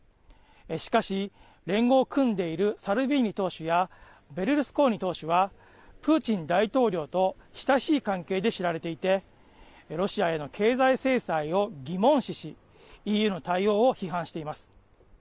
しかし、連合を組んでいるサルビーニ党首やベルルスコーニ党首は、プーチン大統領と親しい関係で知られていて、ロシアへの経済制裁を疑問視し、ＥＵの対応を批判しています。